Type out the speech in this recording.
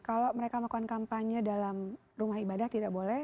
kalau mereka melakukan kampanye dalam rumah ibadah tidak boleh